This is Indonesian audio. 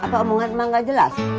apa omongan emang gak jelas